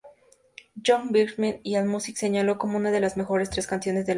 Jason Birchmeier de Allmusic, señaló como una de las "mejores tres canciones" del álbum.